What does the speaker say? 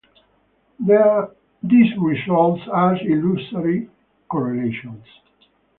These results are illusory correlations.